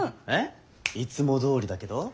えっいつもどおりだけど。